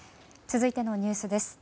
続いてのニュースです。